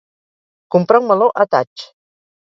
Comprar un meló a tatx.